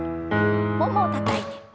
ももをたたいて。